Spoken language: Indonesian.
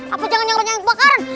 apa jangan jangan banyak yang kebakaran